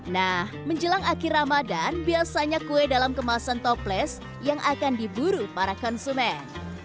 nah menjelang akhir ramadan biasanya kue dalam kemasan toples yang akan diburu para konsumen